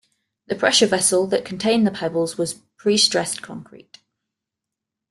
The pressure vessel that contained the pebbles was prestressed concrete.